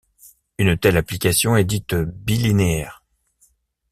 Une telle application est dite bilinéaire.